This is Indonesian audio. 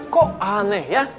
kok aneh ya